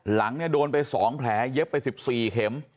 หลังโดนไปสองแผลเย็บไปสิบสี่เข็ม